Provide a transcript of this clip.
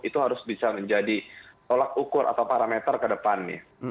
itu harus bisa menjadi tolak ukur atau parameter ke depannya